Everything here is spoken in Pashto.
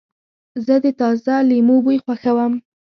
زه د تازه لیمو بوی خوښوم.